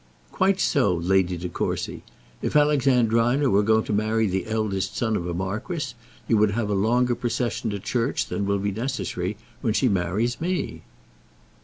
"Quite so, Lady De Courcy. If Alexandrina were going to marry the eldest son of a marquis, you would have a longer procession to church than will be necessary when she marries me."